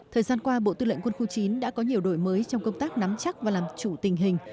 thời gian qua bộ tư lệnh quân khu chín đã có nhiều đổi mới trong công tác nắm chắc và làm chủ tình hình